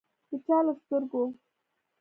د چا له سترګو